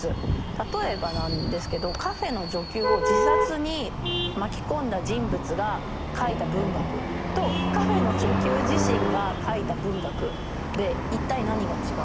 例えばなんですけどカフェーの女給を自殺に巻き込んだ人物が書いた文学とカフェーの女給自身が書いた文学で一体何が違うのか。